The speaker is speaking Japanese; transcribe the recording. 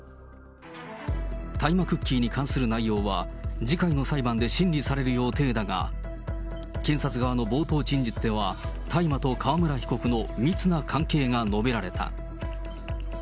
大麻クッキーに関する内容は次回の裁判で審理される予定だが、検察側の冒頭陳述では、大麻と川村被告の密な関係が述べられた。